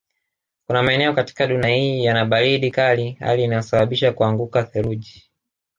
Kuna maeneo katika dunia hii yana baridi kali hali inayosabisha kuanguka theluji